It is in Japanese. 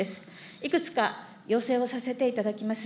いくつか、要請をさせていただきます。